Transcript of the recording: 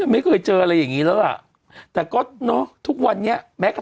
ไม่เคยเจออะไรอย่างงี้แล้วล่ะแต่ก็เนอะทุกวันนี้แม้กระทั่ง